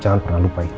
jangan pernah lupa itu